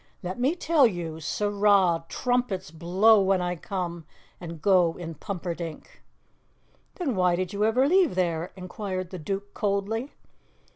Let me tell you, sirrah trumpets blow when I come and go in Pumperdink!" "Then why did you ever leave there?" inquired the Duke coldly.